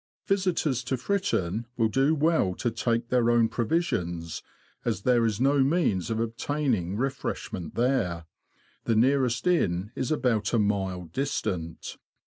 Visitors to Fritton will do well to take their own provisions, as there is no means of obtaining refresh ment there ; the nearest inn is about a mile distant.